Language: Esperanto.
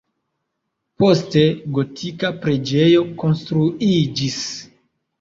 Poste gotika preĝejo konstruiĝis.